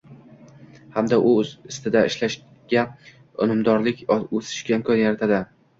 hamda o‘z ustidan ishlashiga, unumdorlik o‘sishiga imkon yaratadi;